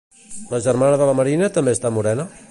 La germana de la Marina també està morena?